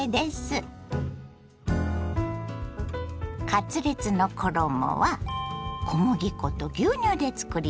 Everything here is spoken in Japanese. カツレツの衣は小麦粉と牛乳でつくります。